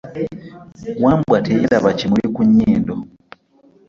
Wambwa teyerba kimulu ku nyindo.